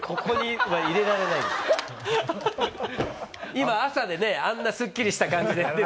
今朝であんなスッキリした感じで。